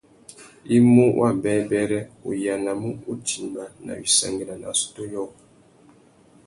I mú wabêbêrê, u yānamú utimba nà wissangüena nà assôtô yôō.